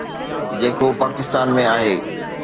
جيڪو پاڪستان ۾ آهي.